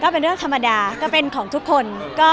เป็นเรื่องธรรมดาก็เป็นของทุกคน